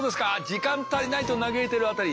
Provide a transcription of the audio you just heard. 時間足りないと嘆いてる辺り。